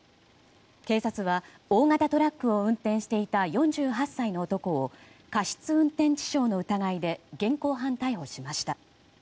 警察は大型トラックを運転していた４８歳の男を過失運転致傷の疑いで現行犯逮捕しました。